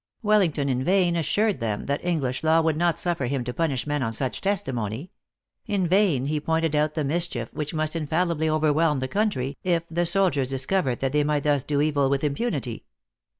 Wellington in vain assured them that English law would not suffer him to punish men on such testimony ; in vain he pointed out the mischief which must infallibly over THE ACTRESS IN HIGH LIFE. 321 whelm the country, if the soldiers discovered that they might thus do evil with impunity.